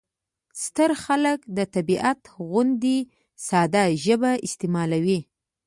ستر خلک د طبیعت غوندې ساده ژبه استعمالوي.